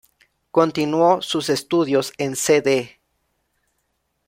Continuó sus estudios en Cd.